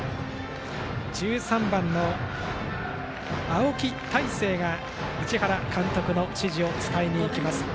１３番の青木大成が市原監督の指示を伝えに行きます。